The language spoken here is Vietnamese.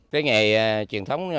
cái nghề truyền thống